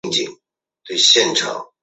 中国国民党籍政治人物。